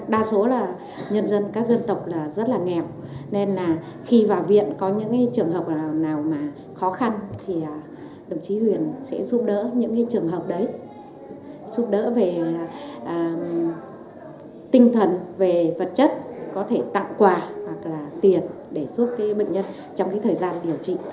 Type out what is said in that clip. đa số là nhân dân các dân tộc là rất là nghèo nên là khi vào viện có những trường hợp nào khó khăn thì đồng chí huyền sẽ giúp đỡ những trường hợp đấy giúp đỡ về tinh thần về vật chất có thể tặng quà hoặc là tiền để giúp bệnh nhân trong thời gian điều trị